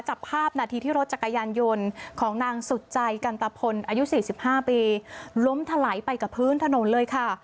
จับภาพนาทีที่รถจักรยานยนต์ของนางสุดใจกันตะพลอายุ๔๕ปีล้มถลายไปกับพื้นถนนเลยค่ะ